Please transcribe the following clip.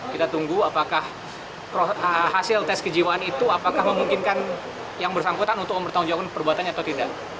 kita tunggu apakah hasil tes kejiwaan itu apakah memungkinkan yang bersangkutan untuk umur tahun jauh perbuatan atau tidak